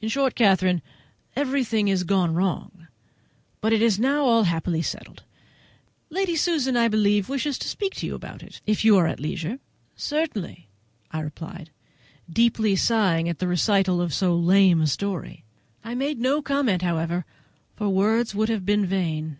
In short, Catherine, everything has gone wrong, but it is now all happily settled. Lady Susan, I believe, wishes to speak to you about it, if you are at leisure." "Certainly," I replied, deeply sighing at the recital of so lame a story. I made no comments, however, for words would have been vain.